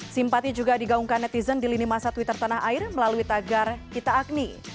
simpati juga digaungkan netizen di lini masa twitter tanah air melalui tagar kita agni